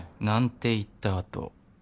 なんて言った後